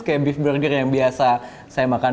kayak beef burger yang biasa saya makan